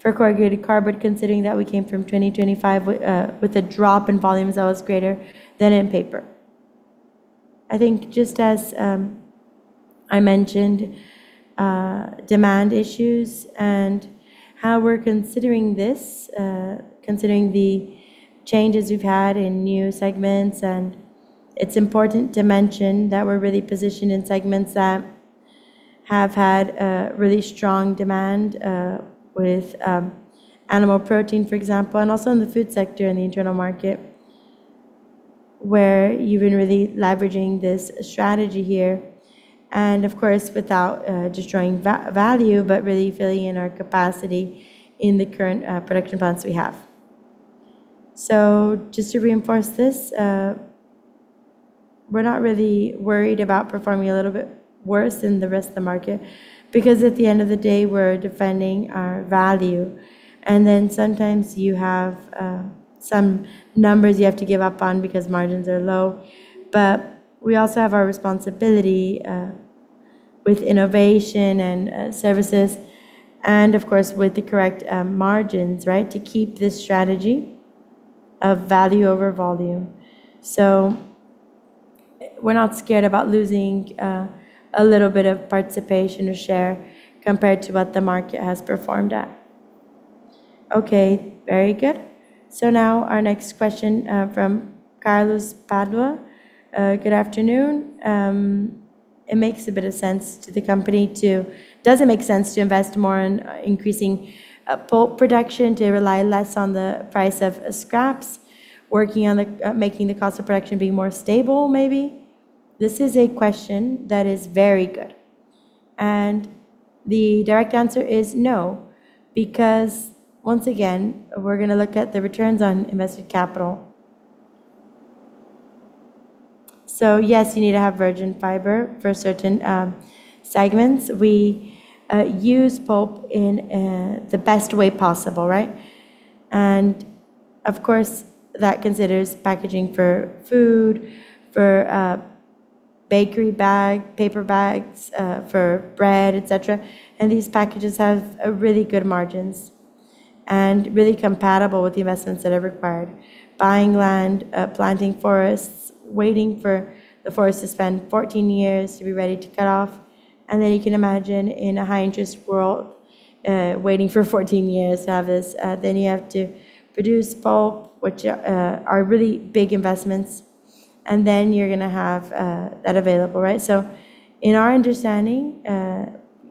for corrugated cardboard, considering that we came from 2025 w- with a drop in volumes that was greater than in paper?" I think, just as I mentioned, demand issues and how we're considering this, considering the changes we've had in new segments, and it's important to mention that we're really positioned in segments that have had really strong demand, with animal protein, for example, and also in the food sector and the internal market, where we've been really leveraging this strategy here, and of course, without destroying value, but really filling in our capacity in the current production plants we have. Just to reinforce this, we're not really worried about performing a little bit worse than the rest of the market because at the end of the day, we're defending our value. Then sometimes you have some numbers you have to give up on because margins are low. We also have our responsibility with innovation and services, and of course, with the correct margins, right? To keep this strategy of value over volume. We're not scared about losing a little bit of participation or share compared to what the market has performed at. Okay, very good. Now our next question from Carlos Padua. "Good afternoon. It makes a bit of sense to the company to... Does it make sense to invest more in increasing pulp production, to rely less on the price of scraps, working on the making the cost of production be more stable, maybe? This is a question that is very good, the direct answer is no. Once again, we're gonna look at the returns on invested capital. Yes, you need to have virgin fiber for certain segments. We use pulp in the best way possible, right? Of course, that considers packaging for food, for bakery bag, paper bags, for bread, et cetera. These packages have really good margins and really compatible with the investments that are required. Buying land, planting forests, waiting for the forest to spend 14 years to be ready to cut off, and then you can imagine in a high-interest world, waiting for 14 years to have this. Then you have to produce pulp, which are really big investments, and then you're gonna have that available, right? In our understanding,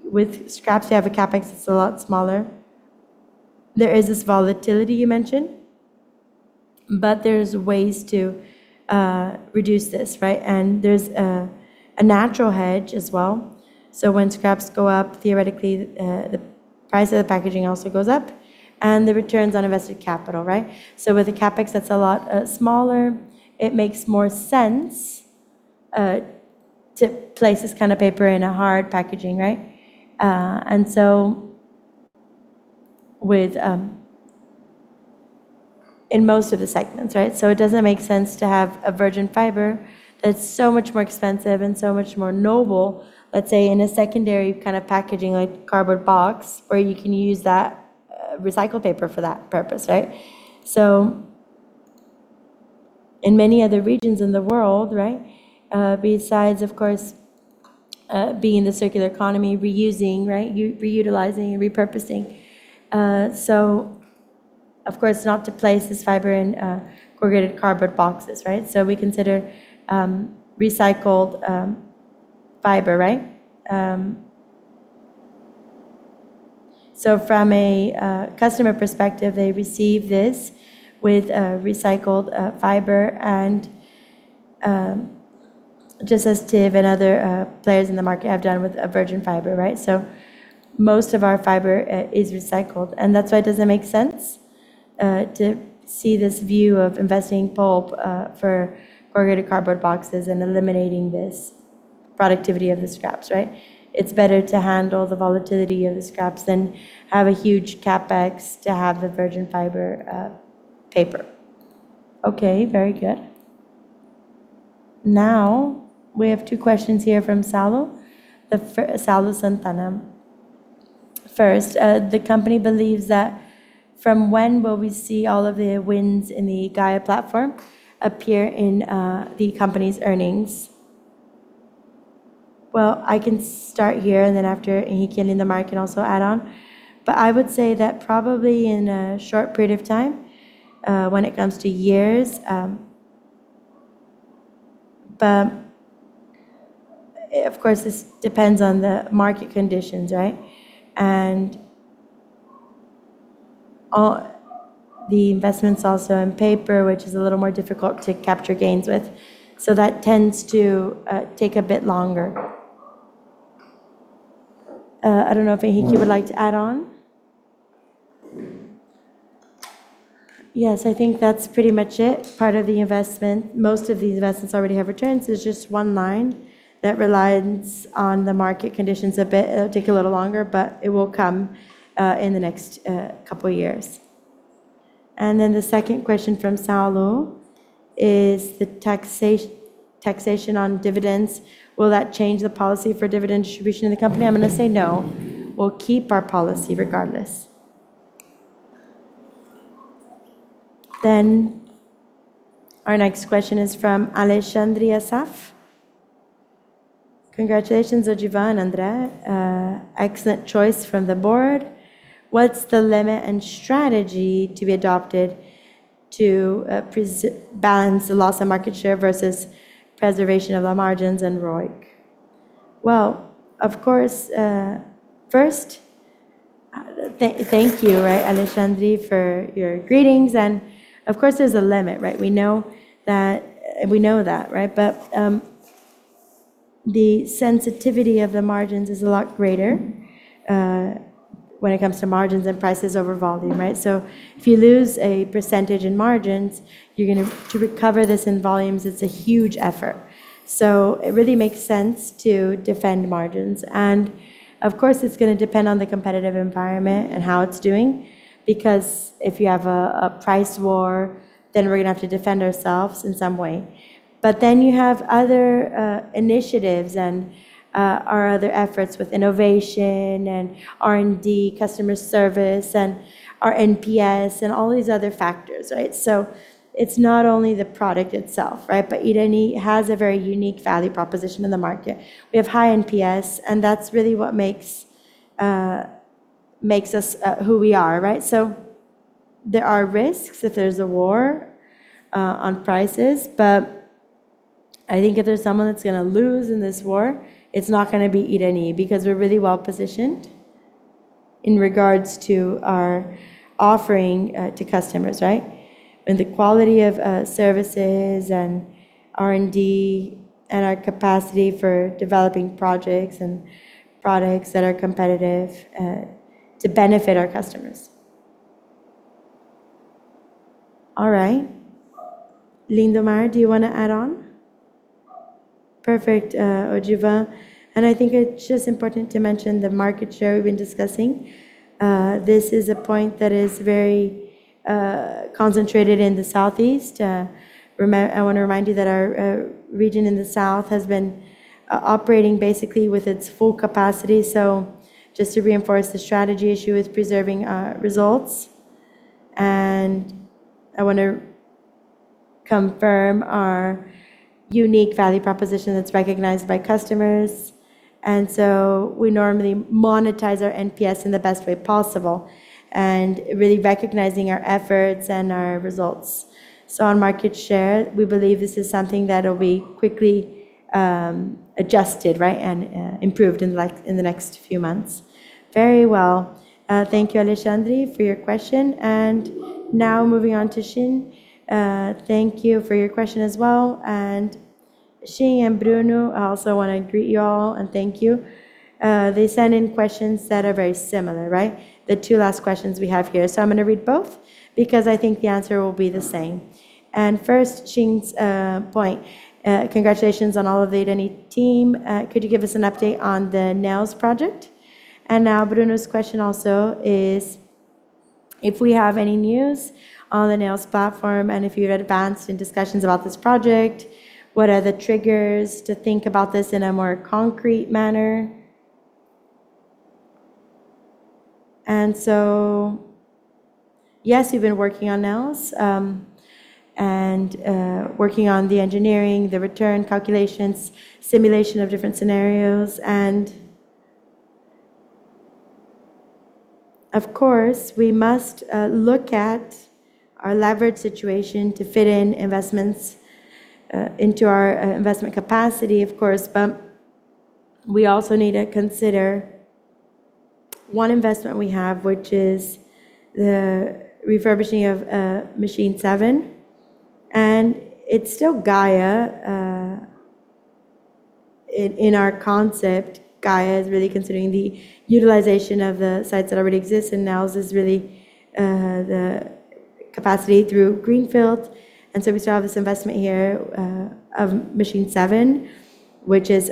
with scraps, you have a CapEx that's a lot smaller. There is this volatility you mentioned, but there's ways to reduce this, right? There's a natural hedge as well. When scraps go up, theoretically, the price of the packaging also goes up and the returns on invested capital, right? With the CapEx, that's a lot smaller. It makes more sense to place this kind of paper in a hard packaging, right? In most of the segments, right? It doesn't make sense to have a virgin fiber that's so much more expensive and so much more noble, let's say, in a secondary kind of packaging, like cardboard box, where you can use that recycled paper for that purpose, right? In many other regions in the world, right, besides, of course, being in the circular economy, reusing, right, reutilizing and repurposing. Of course, not to place this fiber in corrugated cardboard boxes, right? We consider recycled fiber, right? From a customer perspective, they receive this with a recycled fiber and just as TIV and other players in the market have done with a virgin fiber, right? Most of our fiber is recycled, and that's why it doesn't make sense to see this view of investing pulp for corrugated cardboard boxes and eliminating this productivity of the scraps, right? It's better to handle the volatility of the scraps than have a huge CapEx to have the virgin fiber paper. Okay, very good. Now, we have two questions here from Saulo. Saulo Santana. First, "The company believes that from when will we see all of the wins in the Gaia platform appear in the company's earnings?" Well, I can start here, and then after, Henrique and Lindomar can also add on. I would say that probably in a short period of time, when it comes to years, but, of course, this depends on the market conditions, right? All the investments also in paper, which is a little more difficult to capture gains with, so that tends to take a bit longer. I don't know if, Henrique, you would like to add on. Yes, I think that's pretty much it. Part of the investment, most of these investments already have returns. There's just one line that relies on the market conditions a bit. It'll take a little longer, but it will come in the next couple years. The second question from Saulo is the taxation on dividends, will that change the policy for dividend distribution in the company? I'm going to say no. We'll keep our policy regardless. Our next question is from Alexandria Saf. "Congratulations, Odivan and Andrea. Excellent choice from the board. What's the limit and strategy to be adopted to balance the loss of market share versus preservation of our margins and ROIC? Well, of course, first, thank you, right, Alexandria, for your greetings. Of course, there's a limit, right? We know that, right? The sensitivity of the margins is a lot greater when it comes to margins and prices over volume, right? If you lose a percentage in margins, to recover this in volumes, it's a huge effort. It really makes sense to defend margins. Of course, it's gonna depend on the competitive environment and how it's doing, because if you have a, a price war, then we're gonna have to defend ourselves in some way. Then you have other initiatives and our other efforts with innovation and R&D, customer service, and our NPS, and all these other factors, right? It's not only the product itself, right, but Irani has a very unique value proposition in the market. We have high NPS, and that's really what makes makes us who we are, right? There are risks if there's a war on prices, but I think if there's someone that's gonna lose in this war, it's not gonna be Irani, because we're really well-positioned in regards to our offering to customers, right? The quality of services and R&D, and our capacity for developing projects and products that are competitive to benefit our customers. All right. Lindomar, do you want to add on? Perfect, Odivan? I think it's just important to mention the market share we've been discussing. This is a point that is very concentrated in the southeast. I want to remind you that our region in the south has been operating basically with its full capacity. Just to reinforce the strategy issue with preserving our results, and I want to confirm our unique value proposition that's recognized by customers. We normally monetize our NPS in the best way possible, and really recognizing our efforts and our results. On market share, we believe this is something that will be quickly adjusted, right, and improved in the next few months. Very well. Thank you, Alexandre, for your question. Now moving on to Xin. Thank you for your question as well. Xin and Bruno, I also want to greet you all, and thank you. They sent in questions that are very similar, right? The two last questions we have here. I'm going to read both because I think the answer will be the same. First, Xin's point: "Congratulations on all of the Irani team. Could you give us an update on the Nails project?" Now, Bruno's question also is, "If we have any news on the Nails platform, and if you've advanced in discussions about this project, what are the triggers to think about this in a more concrete manner?" Yes, we've been working on Nails, and working on the engineering, the return calculations, simulation of different scenarios. Of course, we must look at our leverage situation to fit in investments into our investment capacity, of course, but we also need to consider one investment we have, which is the refurbishing of machine seven. It's still Gaia. In our concept, Gaia is really considering the utilization of the sites that already exist, and Nails is really the capacity through greenfield. We still have this investment here of machine seven, which is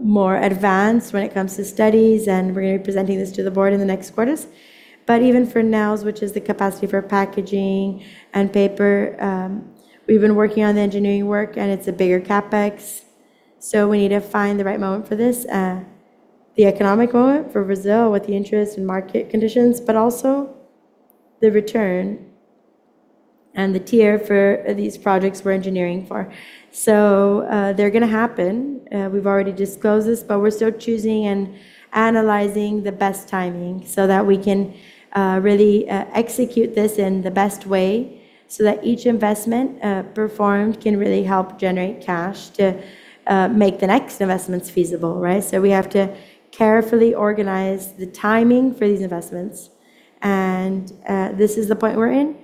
more advanced when it comes to studies, and we're going to be presenting this to the board in the next quarters. Even for Nails, which is the capacity for packaging and paper, we've been working on the engineering work, and it's a bigger CapEx. We need to find the right moment for this. The economic moment for Brazil, with the interest and market conditions, but also the return and the tier for these projects we're engineering for. They're gonna happen. We've already disclosed this, but we're still choosing and analyzing the best timing so that we can really execute this in the best way, so that each investment performed, can really help generate cash to make the next investments feasible, right? We have to carefully organize the timing for these investments, and this is the point we're in.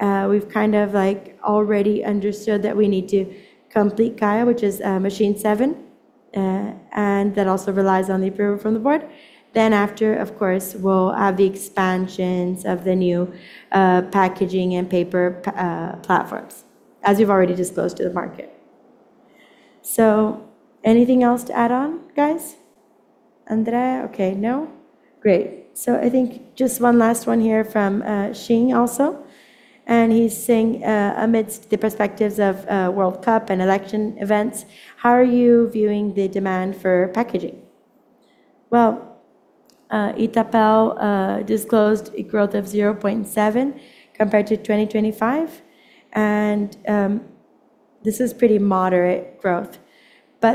We've kind of, like, already understood that we need to complete Gaia, which is machine seven, and that also relies on the approval from the board. After, of course, we'll have the expansions of the new packaging and paper platforms, as we've already disclosed to the market. Anything else to add on, guys? Andrea? Okay, no. Great. I think just one last one here from Xin also, and he's saying: "Amidst the perspectives of World Cup and election events, how are you viewing the demand for packaging?" Well, Empapel disclosed a growth of 0.7 compared to 2025, and this is pretty moderate growth.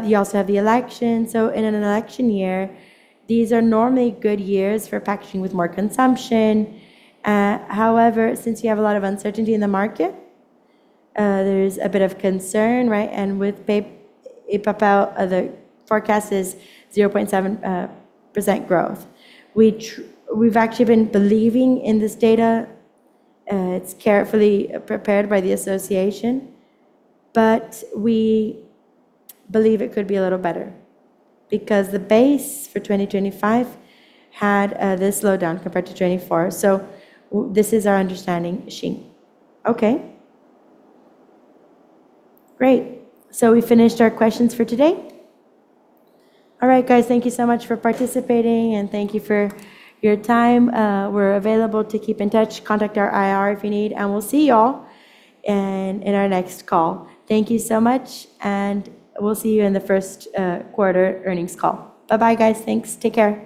You also have the election. In an election year, these are normally good years for packaging with more consumption. However, since you have a lot of uncertainty in the market, there's a bit of concern, right? With Empapel, the forecast is 0.7% growth. We've actually been believing in this data. It's carefully prepared by the association, we believe it could be a little better because the base for 2025 had this slowdown compared to 2024. This is our understanding, Xin. Okay. Great. We finished our questions for today. Guys, thank you so much for participating, and thank you for your time. We're available to keep in touch. Contact our IR if you need, and we'll see you all in, in our next call. Thank you so much, and we'll see you in the 1st quarter earnings call. Bye-bye, guys. Thanks. Take care.